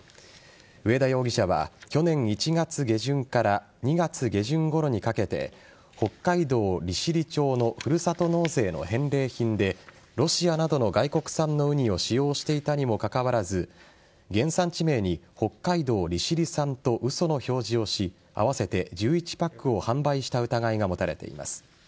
上田容疑者は去年１月下旬から２月下旬ごろにかけて北海道利尻町のふるさと納税の返礼品でロシアなどの外国産のウニを使用していたにもかかわらず原産地名に北海道利尻産と嘘の表示をし合わせて１１パックを販売した疑いが持たれています。